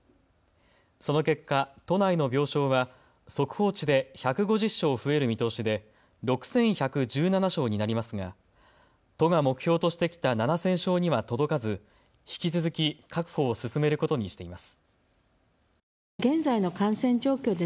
その結果、都内の病床は速報値で１５０床増える見通しで６１１７床になりますが都が目標としてきた７０００床には届かず引き続き確保を進めることにしています。